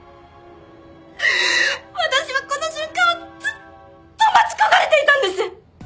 私はこの瞬間をずっと待ち焦がれていたんです！